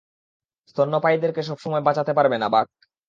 স্তন্যপায়ীদেরকে সবসময় বাঁচাতে পারবে না, বাক!